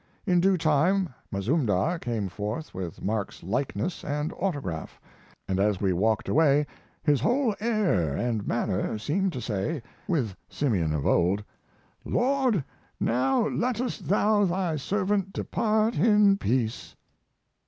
In due time Mazoomdar came forth with Mark's likeness and autograph, and as we walked away his whole air and manner seemed to say, with Simeon of old, "Lord, now lettest thou thy servant depart in peace!"